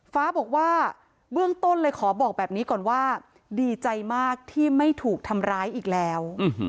ฟ้าบอกว่าเบื้องต้นเลยขอบอกแบบนี้ก่อนว่าดีใจมากที่ไม่ถูกทำร้ายอีกแล้ว